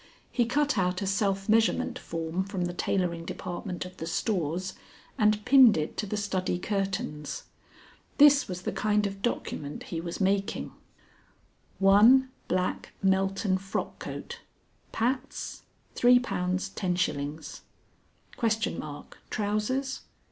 He cut out a self measurement form from the tailoring department of the Stores and pinned it to the study curtains. This was the kind of document he was making: "1 Black Melton Frock Coat, patts? £3, 10s. "_? Trousers.